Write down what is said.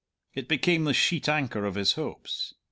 It became the sheet anchor of his hopes.